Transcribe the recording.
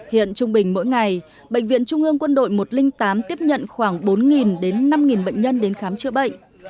hiện trung bình mỗi ngày bệnh viện trung ương quân đội một trăm linh tám tiếp nhận khoảng bốn đến năm bệnh nhân đến khám chữa bệnh